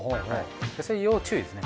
それ要注意ですね。